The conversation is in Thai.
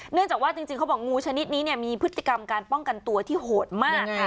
เนื่องจากว่าจริงเขาบอกงูชนิดนี้มีพฤติกรรมการป้องกันตัวที่โหดมาก